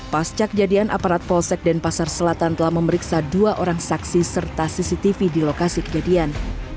pas cak jadian aparat polsek dan pasar selatan telah memeriksa dua orang saksi serta cctv di lokasi kejadian